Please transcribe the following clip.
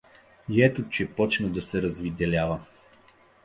И ето че почна да се развиделява.